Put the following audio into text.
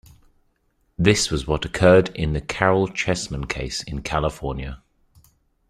This was what occurred in the Caryl Chessman case in California.